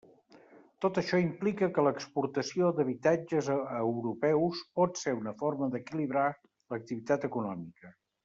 Tot això implica que l'«exportació d'habitatges» a europeus pot ser una forma d'equilibrar l'activitat econòmica.